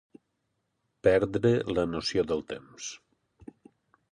Perdre la noció del temps